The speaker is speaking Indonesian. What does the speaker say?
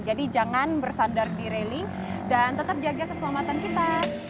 jadi jangan bersandar di railing dan tetap jaga keselamatan kita